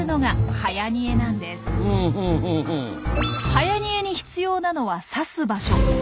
はやにえに必要なのは刺す場所。